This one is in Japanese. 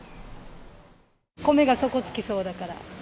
米が底を尽きそうだから。